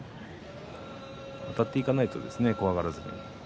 あたっていかないと、怖がらずに。